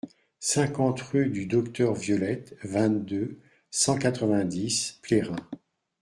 cinquante rue du Docteur Violette, vingt-deux, cent quatre-vingt-dix, Plérin